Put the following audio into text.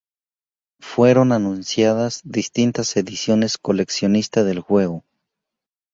Fueron anunciadas distintas ediciones coleccionista del juego.